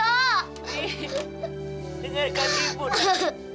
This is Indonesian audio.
nih dengerin kan ibu nak